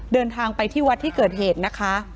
เดินทางไปที่วัดที่เกิดเหตุนะคะ